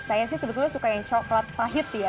saya sih sebetulnya suka yang coklat pahit ya